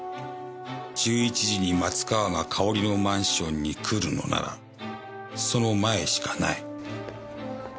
１１時に松川がかおりのマンションに来るのならその前しかない。